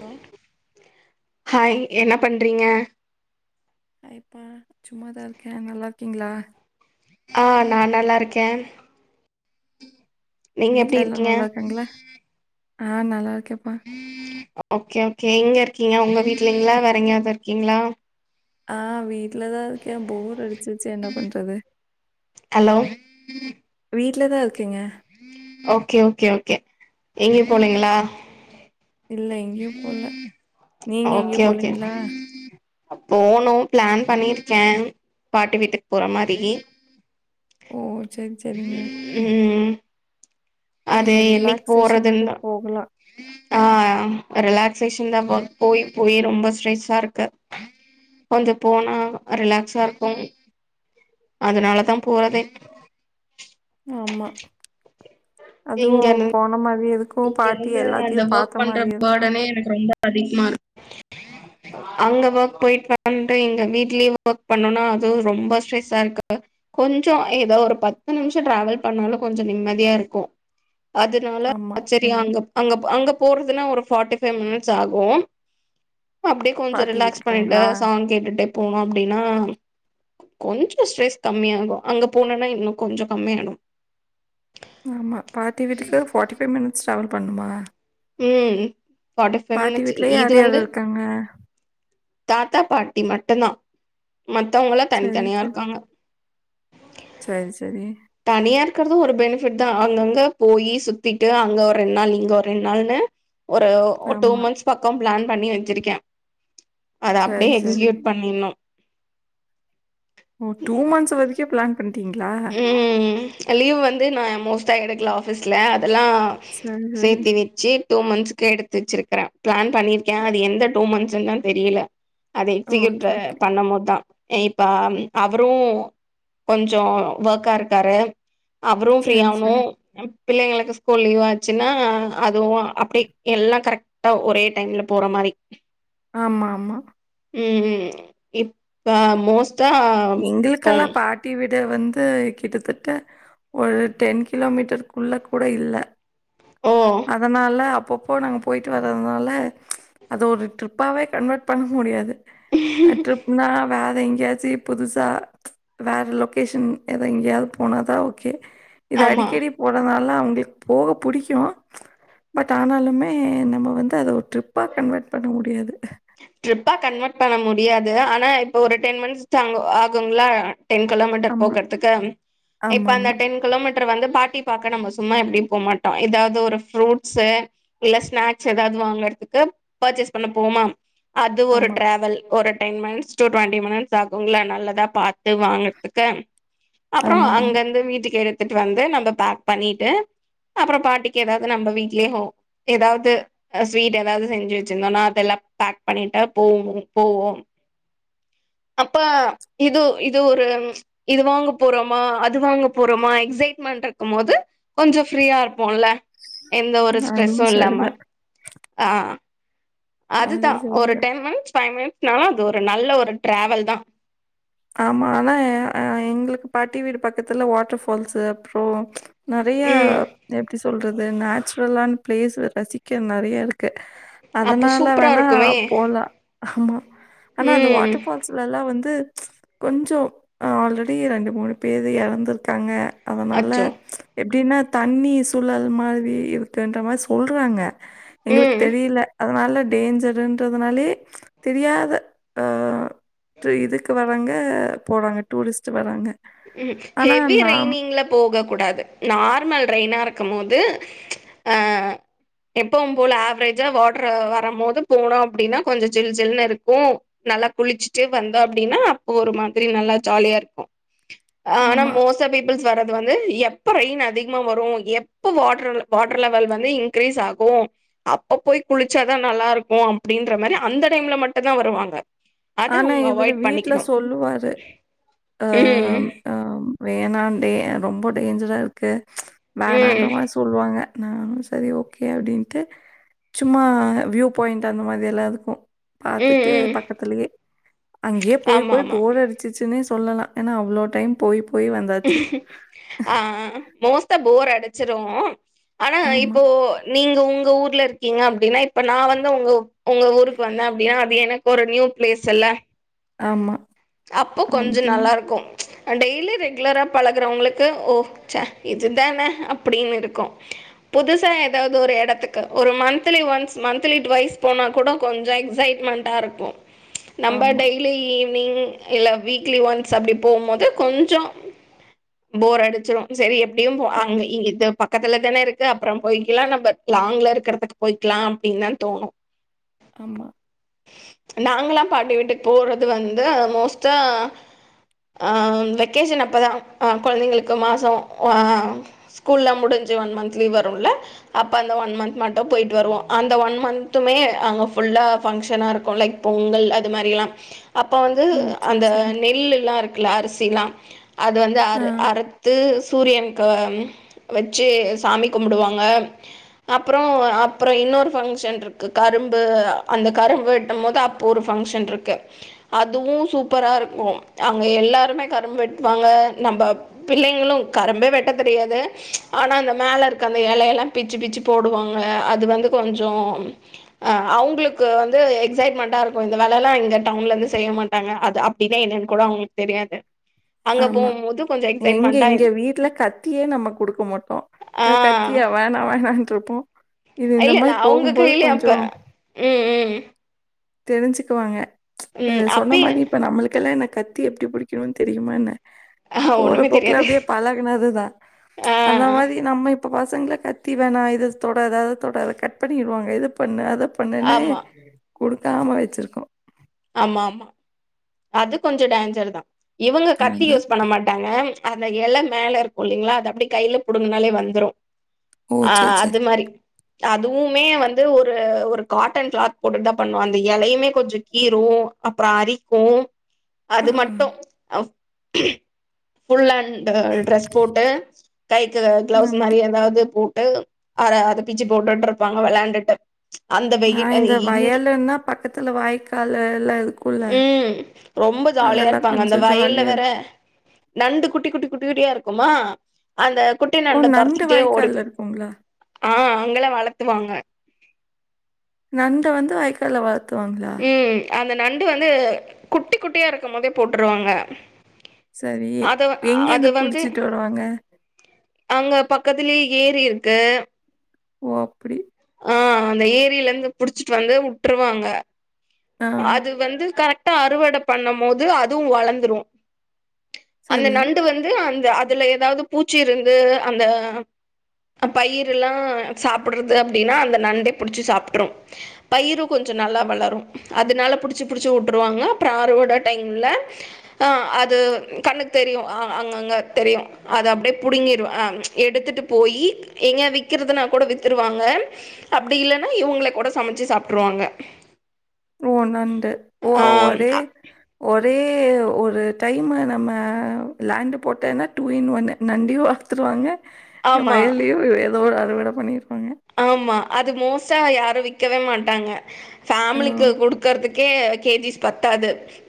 Hello hi என்ன பண்றீங்க hi பா சும்மாதாருக்க நல்லாருக்கீங்ளா ஆ நா நல்லாருக்க எப்டி வீட்ல எல்லா இருக்கீங்க நல்லாருக்காங்ளா ஆ நல்லாருக்கேப்பா ஓகே ஓகே எங்க இருக்கீங்க உங்க வீட்லைங்களா வேற எங்கயாது இருக்கீங்ளா ஆ வீட்லதா இருக்கே போர் அடிச்சுச்சு என்ன பண்றது ஹலோ வீட்ல தா இருக்கேங்க ஓகே ஓகே ஓகே எங்கயு போலைங்களா இல்ல எங்கேயு போல நீங்க எங்கேயு ஓகே ஓகே போலீங்களா போனு ப்ளன் பண்ணிருக்க பாட்டி வீட்டுக்கு போற மாரி ஓ சரி சரிங்க ம் ஒரு அது என்னிக்கு போறதுன் ரிலாக்சேஷனுக்கு தா போகலா ஆ ரிலக்சேஷன் தா போ போய் ரொம்ப ஸ்ட்ரெஸா இருக்கு கொஞ்சோ போனா ரிலாக்ஸா இருக்கு அதனாலதா போறதே ஆமா அதுவு இங்க போன மாரி இருக் இங்க இருந்து அந்த ஒர்க் பண்ற இருக்கு பா்டனே எனக்கு ரொம்ப அதிகோ அங்க ஒர்க் போய்ட்டு வந்து இங்க வீட்லயு ஒர்க் பண்ணுனா அதுவு ரொம்ப ஸ்ட்ரெஸ்சா இருக்கு கொஞ்சோ ஏதோ ஒரு பத்து நிமுஷோ ட்ரவல் பண்ணாலு கொஞ்ச நிம்மதியா இருக்கு அதுனா ஆமா அங்க அங்க அங்க போறதுனா ஒரு பார்ட்டி ஃபைவ் மினிட்ஸ் ஆகு அப்டியே கொஞ்சோ பாட்டி ரிலக்ஸ் பண்ணிட்டு வீட்டுக்குங்களா சாங் கேட்டுட்டே போனோ அப்டின்னா கொஞ்சோ ஸ்ட்ரெஸ் கம்மியாகு அங்க போனனா இன்னு கொஞ்சோ கம்மியாடு ஆமா பாட்டி வீட்டுக்கு ஃபார்டிஃபைவ் மினிட்ஸ் ட்ரவல் பண்ணுமா ம் பார்ட்டி ஃபைவ் பாட்டி மினிட்ஸ் வீட்ல இது யார் யார் வந்து இருக்காங்க தாத்தா பாட்டி மட்டு்ந்தா மத்தவங்கல்லா சரி தனித்தனியா சரி இருக்காங்க சரி சரி தனியா இருக்கறது ஒரு பெனிபிட் தா அங்கங்க போயி சுத்திட்டு அங்க ஒரு ரெண்டு நாள் இங்க ஒரு ரெண்டு நாள்ல ஒரு டூ ஆமா. மந்த்ஸ் பக்கோ ப்ளன் பண்ணி வச்சிருக்க அத அப்டியே சரி, சரி. எக்ஸிகியூட் பண்ணிட்னு ஓ டூ மந்த்ஸ் வரைக்கே ப்ளன் பண்ட்டீங்ளா ம் லீவ் வந்து நா மோஸ்ட்டா எடுக்கல ஆஃபீஸ்ல அதெல்லா சரி, சரி. சேத்தி வி சேர் டூ மந்த்ஸ்க்கு எடுத்து வச்சிருக்கிற ப்ளன் பண்ணிருக்க அது எந்த டூ மந்த்ஸ்ன் தா தெரியல அத எக்ஸிக்யூட் ஓகே, அ ஓகே. பண்ணபோதா அ இப்ப அவரு கொஞ்சோ ஒர்க்கா இருக்காரு அவரு சரி, ஃப்ரீயாவணு சரி. பிள்ளைங்களுக்கு ஸ்கூல் லீவ் ஆச்சுன்னா அதுவு அப்டி எல்லா கரெக்ட் டா ஒரே டைம்ல போற மாரி ஆமா ஆமா ம் ம் இப்ப மோஸ்டா போ குட்டி விட வந்து கிட்டத்தட்ட ஒரு டென் கிலோமீட்டருக்குள்ள கூட இல்ல ஓ அதனால அப்பொப்போ நாங்க போயி்ட்டு வர்துனால அத ஒரு ட்ரிப்பாவே கன்வெர்ட் பண்ண முடியாது ட்ரிப்புனா வேற எங்கியாச்சீ புதுசா வேற லொகேஷ்ன் ஏதோ எங்கேயாவுது போன தா ஓகே இது ஆமா அடிக்கடி போறதுனால அவுங்களுக்கு போக புடிக்கு பட் ஆனாலுமே நம்ம வந்து அத ஒரு ட்ரிப்பா கன்வெர்ட் பண்ண முடியாது ட்ரிப்பா கன்வெர்ட் பண்ண முடியாது ஆனா இப்ப ஒரு டென் மினிட்ஸ் தாங்குங்ளா டென் கிலோமீட்டர் ஆமா. போகுறதுக்கு இப்ப அந்த ஆமாமா. டென் கிலோமீட்டர் வந்து பாட்டி பாக்க நம்ம சும்மா எப்டிம் போமாட்டோ எதாவுது ஒரு ஃப்ரூட்ஸு இல்ல ஸ்நாக்ஸ் எதாவுது வாங்குறதுக்கு பர்ச்சேஸ் பண்ண போவோமா அது ஒரு ஆமா. டிராவல் ஒரு டென் மனிட்ஸ் டுவெண்ட்டி மினிட்ஸ் ஆகுங்களா நல்லதா பாத்து வாங்குறதுக்கு அப்றோ ஆமாமா. அங்கிருந்து வீட்டுக்கு எடுத்துட்டு வந்து நம்ம பேக் பண்ணிட்டு அப்றோ பாட்டிக்கு எதாவுது நம்ம வீட்லியே ஹோ எதாவுது சுவீட் எதாவுது செஞ்சு வச்சிருந்தோனா அதெல்லா பேக் பண்ணிட்டா போவு போவோம் அப்பா இது இது ஒரு இது வாங்க போறோமா அது வாங்க போறோமா எக்ஸைட்மென்ட் இருக்கு போது கொஞ்சோ ஃப்ரீயா இருப்போல்ல எந்த ஒரு ஸ்ரெஸ்சு அதுவும் இல்லாம சரிதான். அ அது சரி தா டென் மினிட்ஸ் ஃபைவ் மினிட்ஸ்னாலு அது ஒரு நல்ல ஒரு டிரவெல் தா ஆமா ஆனா எங்களுக்கு பாட்டி வீடு பக்கத்துல வாட்டர் ஃபால்ஸு அப்றோ நெறைய ம் எப்டி சொல்றது நேச்சுரலானா பிளேஸ் ரசிக்க நெறைய இருக் கு அப்ப அதுனால சூப்பரா வேணா இருக்குமே போலா ஆமா ஆனா அந்த ம் வாட்டர் ஃபால்ஸ்ல்லா வந்து கொஞ்சோ ஆல்ரெடி ரெண்டு மூணு பேரு எறந்துருக்காங்க அதுனால அச்சோ எப்டின்னா தண்ணி சூழல் மாரி இருக்குன்ற மாரி சொல்றாங்க எங்களுக்கு ம் தெரியில அதுனால டேஞ்சருன்றதுனாலயே தெரியாத அ இதுக் வராங்க போறாங்க டூரிஸ்ட் வராங்க ம் ஆனா ஹெவி நாம் ரெய்னிங்ல போக கூடாது நார்மல் ரெய்னா இருக்கு போது அ எப்பவு போல ஆவரேஜா வாட்ரு வர போது போனோ அப்டின்னா கொஞ்சோ ஜில் ஜில்னு இருக்கு நல்லா குளிச்சுட்டு வந்தோ அப்டின்னா அப்போ ஒரு மாதிரி நல்லா ஜாலியாருக்கு ஆனா ஆமா. மோஸ் ட்டா பீப்பிள்ஸ் வர்றது வந்து எப்ப ரெயின் அதிகமா வரு எப்ப வாட்டரு வாட்டரு லெவல் வந்து இங் கிரீஸ் ஆகு அப்ப போய் குளிச்சாதா நல்லா இருக்கு அப்டின்ற மாரி அந்த டைம்ல மட்டுந்தா வருவாங்க அத ஆனா அவங்க இவரு அவாய்ட் வீட்ல பண்ணிக்கணும். சொல்லுவாரு அ ம் வேணா டே ரொம்ப டேஞ்சராருக்கு வேணான்ற ம் மாரி சொல்லுவாங்க நானு சரி ஓகே அப்டின்ட்டு சும்மா வியூ பாயிண்ட் அந்த மாரி எல்லா இருக்கு ம் பாத்துட்டு ம் பக்கத்தலயே அங்கியே போய் ஆமா போய் ஆமா. போர் அடிச்சுச்சுன்னே சொல்லலா ஏனா அவ்ளோ டைம் போய் போயி வந்த ஆ மோஸ்டா போர் அடிச்சுரு ஆனா ஆமா. இப்போ நீங்க உங்க ஊர்ல‌ இருக் கிங்க அப்பிடின்னா இப்ப நா வந்து ஒங்க ஒங்க ஊருக்கு வந்தே அப்பிடின்னா அது எனக்கு ஒரு நியூ பிளேஸ் இல்ல ஆமா அப்ப கொஞ்ச அப்படின்னு நல்லாருக்கும் டெய்லி ரெகுலரா பழகுறவங்களுக்கு ஓ சே இதுதானே அப்டின்னு இருக்கு புதுசா எதாவது ஒரு எடத்துக்கு ஒரு மந்த்லி ஒன்ஸ் மந்த்லி டுவைஸ் போனா கூட கொஞ்ச எக்ஸைட்மண் டா இருக்கு நம்ப ஆமா. டெய்லி ஈவ்னிங் இல்ல வீக்லி ஒன்ஸ் அப்டி போம் போது கொஞ்சோ போர் அடிச்சுரு சரி டியு அங் ஆம். இங் த பக் கத்துல தான இருக்கு அப்புறம் போயிக்கலா நம்ம லாங்க்ல இருக்கறதுக்கு போயிக்கலாம் அப்பிடின் தான் தோணு ஆமா நாங்கல்லா பாட்டி வீட்டுக் போறது வந்து மோஸ்டா ஆ வெக்கேஷன் அப்ப தா கெழந்தைங்களுக்கு மாசோ ஆ ஸ்கூல்லா முடுஞ்சு ஒன் மன்த் லீவ் வருல்ல அப்ப அந்த ஒன் மந்த் மட்டு போயிட்டு வருவோ அந்த ஒன் மந்த்துமே அங்க ஃபுல்லா பங்ஷனா இருக்கு லைக் பொங்கல் அது மாரி எல்லா அப்ப வந்து ஓ! சரி, அந்த சரி. நெல்லுல்லா இருக்குல்ல அரிசிலா அது வந்து ஆ. அறு அறுத்து சூரியன்க்கு வெச்சு சாமி கும்புடுவாங்க அப்பறோ அப்புற இன்னொரு பங்க்ஷன் இருக்கு கரும்பு அந்த கரும்பு வெட்டும் போது அப் ஒரு பங்ஷன் இருக்கு அதுவு சூப் பரா இருக்கு அங்க எல்லாருமே கரும்பு வெட்டுவாங்க நம்ப பிள்ளைங்களு கரும்பே வெட்ட தெரியாது ஆனா அந்த மேல இருக்கு அந்த எலயலா பிச்சு பிச்சு போடுவாங்க அது வந்து கொஞ்சோ அ அவங்களுக்கு வந்து எக்ஸைட்மெண்ட்டா இருக்கு இந்த வேலைல்லா இங்க டவுன்ல இருந்து செய்ய மாட்டாங்க அப்படின்னா என்னன் கூட அவங்களுக் தெரியாது அங்க ஆமா. போம்போது எங்க இங்க வீட்டுல கத்தியே நம்ம குடுக்க மாட்டோ யோ ஆ கத்தியா வேணா வேணான்ருப்போ இது இந்த இல்ல இல்ல மாரி அவங்க போகும்போது கையிலே அப்ப கொஞ்சோ ம் ம் தெரிஞ்சுக்குவாங்க அ ம் சொன்ன அப்பயே மாதிரி இப்ப நம்மளுக்கெல்லா என்ன கத்தி எப்படி புடிக்கணுன் தெ ரியுமா என்ன ஆ ஒண்ணுமே போறபோக்குல தெரியாது அப்படியே பழகுனதுதா ஆ அந்த மாரி நம்ம இப்ப பசங்கள கத்தி வேணா இது தொடாத அத தொடாத கட் பண்ணிடுவாங்க இது பண்ணு அத பண்ணுன்னு ஆமா கொடுக்காம வச்சிருக்கோ ஆமா ஆமா அது கொஞ்ச டேஞ்சர் தா இவங்க கத்தி அதான். யூஸ் பண்ண மாட்டாங்க அந்த எல மேல இருக்கு இல்லைங்களா அது அப்படி கையில புடுங்கனாலே வந்துரு ஓ! ஆ சரி, அது சரி. மாரி அதுவுமே வந்து ஒரு ஒரு காட்டன் கிளாத் போட்டுட்டு தா பண்ணு அந்த எலையுமே கொஞ்ச கீரு அப்பறோ அரிக்கு அது மட்டு ஃபுல் அண் டு டிரெஸ் போட்டு கைக்கு கிளவுஸ் ஆமா. மாரி ஏதாவது போட்டு அர அத பிச்சி போட்டுட்டு இருப்பாங்க வெளாண்டுட்டு அந்த நா வெயில் இந்த இங்க வயலுன்னா பக்கத்துல வாய்க்காலு எல்லா இருக்கு ம் ரொம்ப ஜாலியா இருப்பாங்க அந்த கொஞ்சம் வயல்ல ஜாலியா வேற இருக்கும். நண்டு குட்டி குட்டி குட்டி குட்டியா இருக்குமா அந்த குட்டி ஓ! நண்ட நண்டு தொரத்திக்கிட்டே வாய்க்கால்ல ஓடுது இருக்குங்களா? ஆ அங்கள வளத்துவாங்க நண்ட வந்து வாய்க்கால்ல வளத்துவாங்களா ம் அந்த நண்டு வந்து குட்டி குட்டியா இருக்கும் போதே போட்டுருவாங்க செரி அத எங்க அது இருந்து வந்து புடிச்சிட்டு வருவாங்க அங்க பக்கத்துலயே ஏரி இருக்கு ஓ அப்டி அ அந்த ஏரியில இருந்து புடிச்சிட்டு வந்து விட்டுருவாங்க ஆ. அது வந்து கரெக்டா அறுவடை பண்ணும் போது அதுவு வளந்துரு அந்த சரி. நண்டு வந்து அந்த அ அதுல ஏதாவது பூச்சி இருந்து அந்த பயிர எல்லா சாப்டுறது அப்டின்னா அந்த நண்டே புடிச்சி சாப்ட்டுரு பயிரும் கொஞ்சோ நல்லா வளரு அதனால புடிச்சு புடிச்சு விட்டுருவாங்க அப்பற அறுவட டைம்ல அ அது கண்ணுக்கு தெரியு அங்கங்க தெரியு அது அப்டியே புடுங்கிருவ எடுத்துட்டு போய் எங்க விக்கறிறதுனா கூட வித் வித்ருவாங்க அப்டி இல்லைன்னா இவங்களே கூட சமைச்சு சாப்ட்டுருவாங்க ஒ நண்டு ஒ ஓரே ஆ ஒரே ஒரு டைமு நம்ம லேண்டு போட்டேன்னா டூ இன் ஒன் [unintelligible] வித்துருவாங்க ஆமா வயல்லேயு ஏதோ ஒரு அறுவடை பண்ணிருவாங்க ஆமா அது மோஸ்டா யாரு விக்கவே மாட்டாங்க ஓ! ஃபேமிலிக்குடு இருக்கிறதுக்கே கே ஜி ஸ் பத்தாது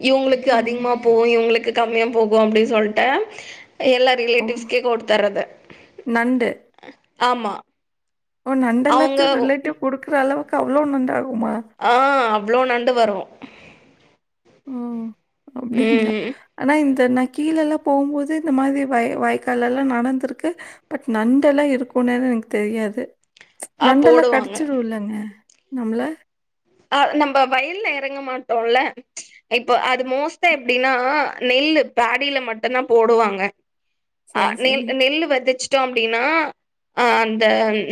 இவங்களுக்கு ஓ! அதிகமா போகும் இவங்களுக்கு கம்மியா போகு அப்டின்னு சொல்லிட்டு எல்லா ஓ! ரிலேட்டிவ்ஸ்க்கே கொடுத்ரது நண்டு. ஆமா ஓ நண்ட அவுங்க எல்லாத்தையு ஒ ரிலேட்டிவ் குடுக்குற அளவுக்கு அவ்வளோ நண்டாகுமா அ அவ்ளோ நண்டு வரு ம் அப்டிங்களா ம். ஆனா இந்த நான் கீழல்லா போகும்போது இந்த மாதிரி வய வயக்காலெல்லா நடந்துருக்கு பட் நண்டெல்லா இருக்குனேன்னு எனக்கு தெரியாது ஆ நண்டெல்லா போடுவாங்க. கடிச்சுடு இல்லங்க நம்மள அ நம்ம வயல்ல எறங்க மாட்டோம்ல இப்போ அது மோஸ்டா எப்டின்னா நெல்லு பாடியில மட்டுதா போடுவாங்க அ அ சரி, நெல் சரி. நெல் வெதச்சிட்டோ அப்டின்னா அ அந்த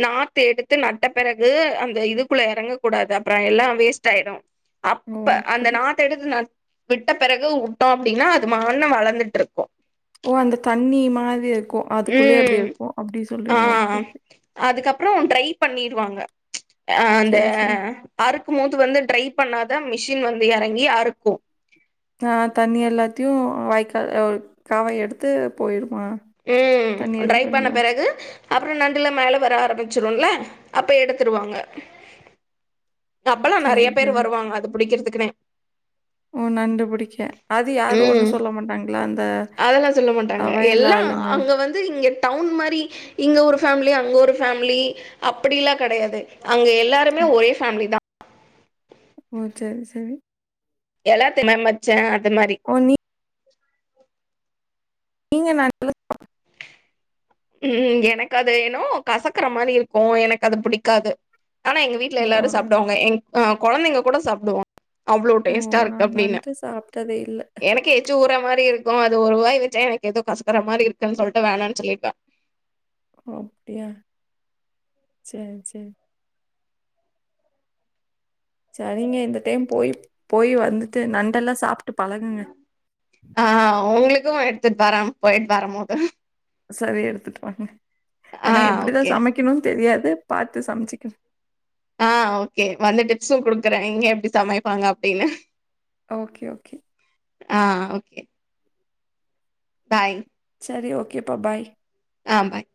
நாத்து எடுத்து நட்ட பெறகு அந்த இதுக்குள்ள எறங்கக்கூடாது அப்பற எல்லா வேஸ்ட் ஆயிடு ஓ! அப்ப அந்த அப்படி. நாத்து எடுத்து விட்ட பிறகு வுட்டோ அப்டின்னா அது [unintelligible] வளந்துட்டு இருக்கு ஓ அந்த தண்ணி மாதிரி இருக்கு அதுக்குள்ளயே அப்டி ம் இருக்கு அப்டி ஆ சொல்றீங்க ஓகே ஓகே அதுக்கப்றோ ட்ரை பண்ணிடுவாங்க அ அந்த சரி, சரி. அறுக்கு போது வந்து ட்ரை பண்ணன்னுதா மிஷின் வந்து எறங்கி அறுக்கு அ தண்ணி எல்லாத்தையு வாய்க்கால் காவ எடுத்து போயிடுமா ம் ட்ரை பண்ண பிறகு அப்பற நண்டல்லா மேல வர ஆரம்பிச்சுரல அப்ப எடுத்துடுவாங்க அப்பெல்லா நெறைய சரி, பேரு சரி. வருவாங்க அது புடிக்கிறதுக்குனே ஒ நண்டுபுடிக்க அது யாரு ஒண்ணு ம் சொல்ல மாட்டாங்களா அந்த அதெல்லா சொல்ல மாட்டாங்க வயலு எல்லா ஆளுங்க அங்க வந்து இங்க டவுன் மாரி இங்க ஒரு ஃபேமிலி அங்க ஒரு ஃபேமிலி அப்டிலா கெடையாது அங்க எல்லாருமே ஒரே ஃபேமிலி தா ஒ செரி செரி எல்லாத்தையு [unintelligible] அந்த மாதிரி ஒ நீ நீங்க [inaudible] ம் எனக்கு அது ஏனோ கசக்கற மாரி இருக்கு எனக்கு அது புடிக்காது ஆனா எங்க வீட்ல ஓ! எல்லாரு சாப்டுவாங்க எங் அ கொழந்தைங்க கூட சாப்டுவா அவ்ளோ ஓ! டேஸ்டா இருக்கு நான் அப்டின்னு நண்டு சாப்பிட்டதே இல்ல. எனக்கு எச்சி ஊற மாரி இருக்கு அது ஒரு வாய் வெச்சா எனக்கு எதோ கசக்கற மாரி இருக்குன் சொல்ட்டு வேணானு சொல்லிடுவ ஒ அப்டியா சேர் சேர் சரிங்க இந்த டைம் போய் போய் வந்துட்டு நண்டெல்லா சாப்ட்டு பழகுங்க ஆ உங்களுக்கு எடுத்துட் வர போயிட் வரம் போது சரி எடுத்துட்டு ஆ ஓகே க்கணுன் தெரியாது பாத்து சமைச்சுக்க ஆ ஓகே வந்து டிப்ஸு குடுக்கற இங்க எப்டி சமைப்பாங்க அப்டின்னு ஓகே ஓகே ஆ ஓகே பாய் சரி ஓகேப்பா பாய் ஆ பாய்